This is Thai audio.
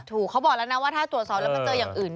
เขาบอกแล้วนะว่าถ้าตรวจสอบแล้วมันเจออย่างอื่น